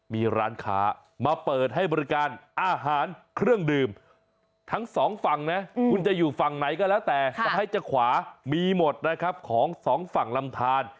มีร้านค้ามาเปิดให้บริการอาหารเครื่องดื่มทั้ง๒ฝั่งนะคุณจะอยู่ฝั่งไหนก็แล้วแต่